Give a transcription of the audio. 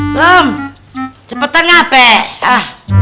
belum cepetan ngapain hah